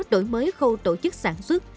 đổi mới khâu tổ chức sản xuất